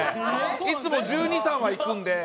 いつも１２１３はいくので。